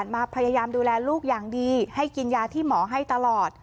มาพยายามดูแลลูกอย่างดีให้กินยาที่หมอให้ตลอด